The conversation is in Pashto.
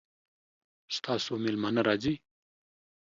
ستاسو میلمانه راځي؟